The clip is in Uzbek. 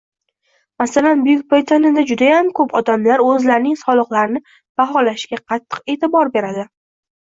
Masalan, Buyuk Britaniyada judayam koʻp odamlar oʻzlarining soliqlarini baholashga qattiq eʼtibor beradi.